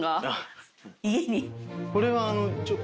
これは。